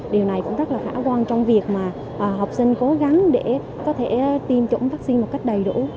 điều này cũng rất là khả quan trong việc mà học sinh cố gắng để có thể tiêm chủng vaccine một cách đầy đủ